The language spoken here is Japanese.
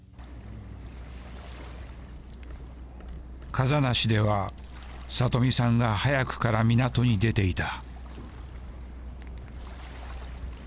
風成では里美さんが早くから港に出ていた。